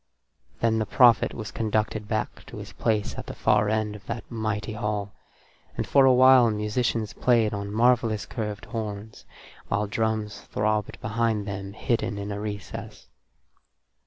Then the prophet was conducted back to his place at the far end of that mighty hall, and for a while musicians played on marvellous curved horns, while drums throbbed behind them hidden in a recess.